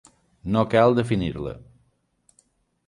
No cal definir-la.